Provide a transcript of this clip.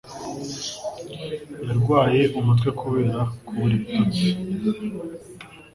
Yarwaye umutwe kubera kubura ibitotsi.